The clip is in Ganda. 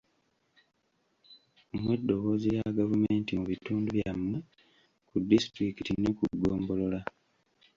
Mmwe ddoboozi lya gavumenti mu bitundu byammwe, ku disitulikiti ne ku ggombolola.